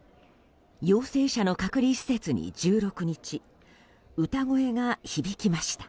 陽性者の隔離施設に１６日、歌声が響きました。